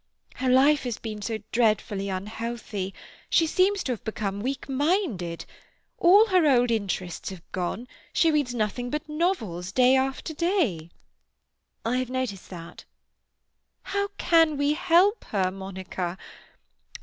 "Her life has been so dreadfully unhealthy. She seems to have become weak minded. All her old interests have gone; she reads nothing but novels, day after day." "I have noticed that." "How can we help her, Monica?